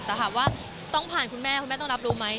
แต่ถามว่าต้องผ่านคุณแม่คุณแม่ต้องรับรู้ไหม